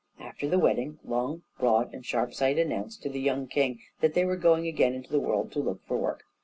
After the wedding Long, Broad, and Sharpsight announced to the young king that they were going again into the world to look for work.